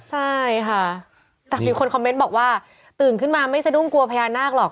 ใช่ค่ะแต่มีคนคอมเมนต์บอกว่าตื่นขึ้นมาไม่สะดุ้งกลัวพญานาคหรอก